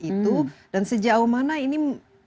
itu dan sejauh mana ini